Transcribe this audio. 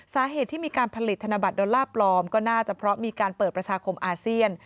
สาเหตุที่มีการผลิตธนบัตรดอลลาร์ปลอมก็น่าจะเพราะมีการเปิดประชาคมอาเซียน